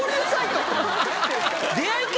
出会い系？